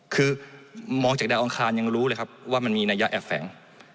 คือมองจากดาวอังคารยังรู้เลยครับว่ามันมีนัยยะแอบแฝง